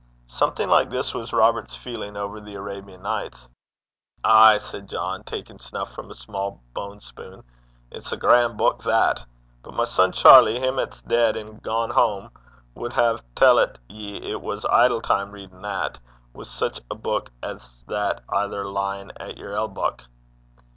Something like this was Robert's feeling over The Arabian Nights. 'Ay,' said John, taking snuff from a small bone spoon, 'it's a gran' buik that. But my son Charley, him 'at 's deid an' gane hame, wad hae tell't ye it was idle time readin' that, wi' sic a buik as that ither lyin' at yer elbuck.'